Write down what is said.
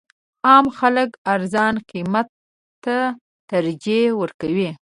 عام خلک ارزان قیمت ته ترجیح ورکوي.